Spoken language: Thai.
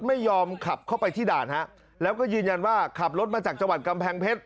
ไม่ยอมขับเข้าไปที่ด่านฮะแล้วก็ยืนยันว่าขับรถมาจากจังหวัดกำแพงเพชร